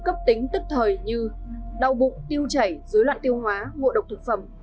cấp tính tức thời như đau bụng tiêu chảy dối loạn tiêu hóa ngộ độc thực phẩm